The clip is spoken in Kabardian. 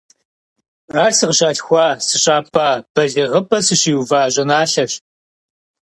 Ар сыкъыщалъхуа, сыщапӏа, балигъыпӏэ сыщиува щӏыналъэщ.